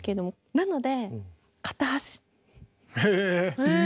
なので。